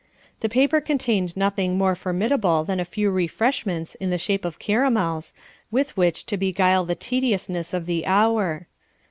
The paper contained nothing more formidable than a few refreshments in the shape of caramels with which to beguile the tedious ness of the hour.